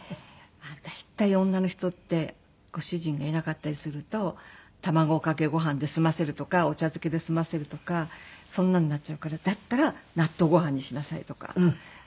大体女の人ってご主人がいなかったりすると卵かけご飯で済ませるとかお茶漬けで済ませるとかそんなのになっちゃうからだったら納豆ご飯にしなさいとか。